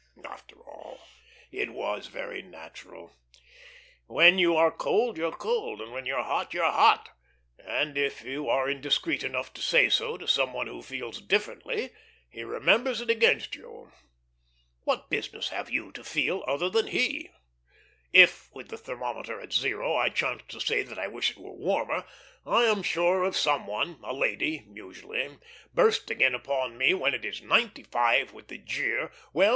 After all, it was very natural. When you are cold, you're cold, and when you're hot, you're hot; and if you are indiscreet enough to say so to some one who feels differently, he remembers it against you. What business have you to feel other than he? If, with the thermometer at zero, I chance to say that I wish it were warmer, I am sure of some one, a lady usually, bursting in upon me when it is ninety five, with the jeer, "Well!